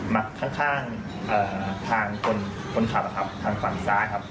มาข้างทางคนขับนะครับทางฝั่งซ้ายครับ